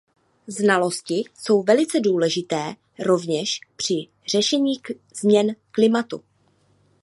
Znalosti jsou velice důležité rovněž při řešení změn klimatu.